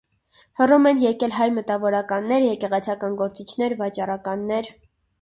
Հռոմ են եկել հայ մտավորականներ, եկեղեցական գործիչներ, վաճառականներ։